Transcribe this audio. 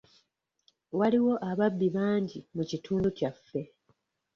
Waliwo ababbi bangi mu kitundu kyaffe.